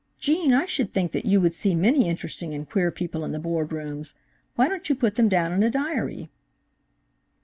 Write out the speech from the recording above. '" "Gene, I should think that you would see many interesting and queer people in the Board rooms. Why don't you put them down in a diary?"